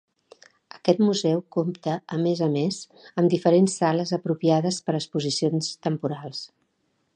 Aquest museu compta a més a més amb diferents sales apropiades per a exposicions temporals.